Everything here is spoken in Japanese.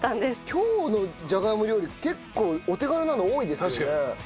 今日のじゃがいも料理結構お手軽なの多いですよね。